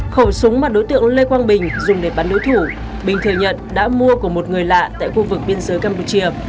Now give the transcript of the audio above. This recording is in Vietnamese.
khẩu súng mà đối tượng lê quang bình dùng để bắn đối thủ bình thừa nhận đã mua của một người lạ tại khu vực biên giới campuchia